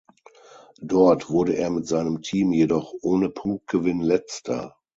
Dort wurde er mit seinem Team jedoch ohne Punktgewinn Letzter.